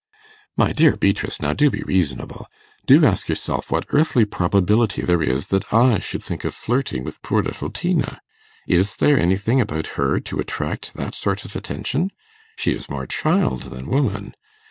'My dear Beatrice, now do be reasonable; do ask yourself what earthly probability there is that I should think of flirting with poor little Tina. Is there anything about her to attract that sort of attention? She is more child than woman.